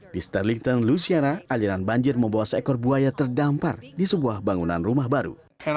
di sterlington luciana aliran banjir membawa seekor buaya terdampar di sebuah bangunan rumah baru